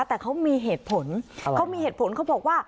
แต่เขามีเหตุผลเขามีเหตุผลเขาบอกว่า